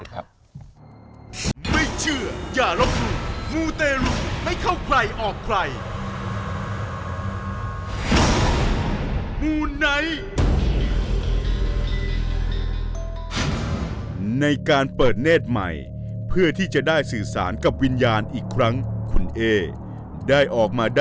ไปจุดทูปทางด้านหน้านะครับ